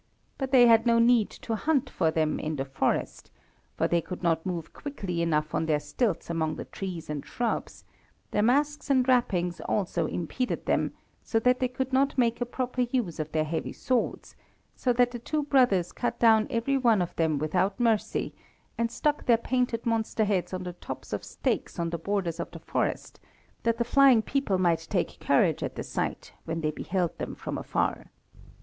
But they had no need to hunt for them in the forest, for they could not move quickly enough on their stilts among the trees and shrubs, their masques and wrappings also impeded them, so that they could not make a proper use of their heavy swords, so the two brothers cut down every one of them without mercy, and stuck their painted monster heads on the tops of stakes on the borders of the forest, that the flying people might take courage at the sight when they beheld them from afar.